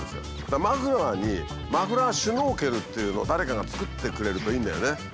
だからマフラーにマフラーシュノーケルっていうのを誰かが作ってくれるといいんだよね。